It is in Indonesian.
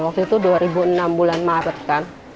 waktu itu dua ribu enam bulan maret kan